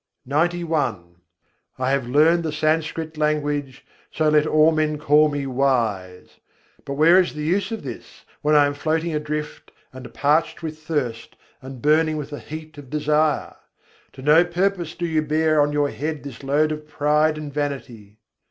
XCI III. 12. samskirit bhâshâ padhi lînhâ I have learned the Sanskrit language, so let all men call me wise: But where is the use of this, when I am floating adrift, and parched with thirst, and burning with the heat of desire? To no purpose do you bear on your head this load of pride and vanity.